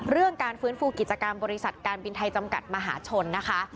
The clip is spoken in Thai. เรื่องการฟื้นฟูกิจกรรมบริษัทการบินไทยจำกัดมหาชนนะคะ